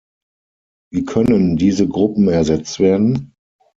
Wie können diese Gruppen ersetzt werden?